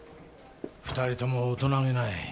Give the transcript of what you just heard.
２人とも大人気ない。